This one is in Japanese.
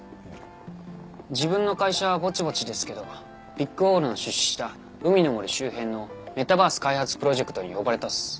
自分の会社はぼちぼちですけどビッグホールの出資した海の森周辺のメタバース開発プロジェクトに呼ばれたっす。